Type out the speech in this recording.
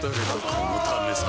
このためさ